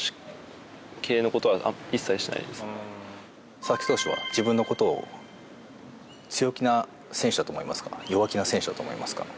佐々木投手は自分のことを強気な選手だと思いますか弱気な選手だと思いますか。